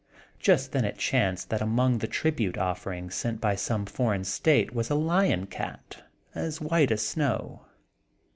Just then it chanced that among the tribute offerings sent by some foreign State was a lion cat, as white as snow.